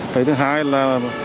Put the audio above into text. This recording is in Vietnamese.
thứ hai là